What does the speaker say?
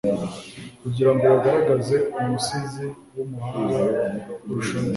kugira ngo bagaragaze umusizi w'umuhanga kurusha undi